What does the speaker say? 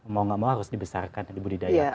mau gak mau harus dibesarkan dibudidayakan